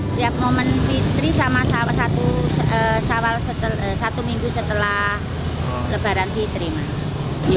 setiap momen fitri sama satu minggu setelah lebaran fitri mas